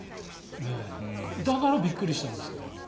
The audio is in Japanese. だからびっくりしたんですから。